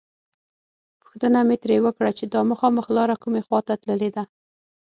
پوښتنه مې ترې وکړه چې دا مخامخ لاره کومې خواته تللې ده.